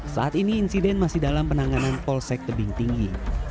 saat ini insiden masih dalam penanganan polsek tebing tinggi